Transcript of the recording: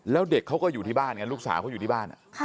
แล้วเด็กเขาก็อยู่ที่บ้านไงลูกสาวเขาอยู่ที่บ้าน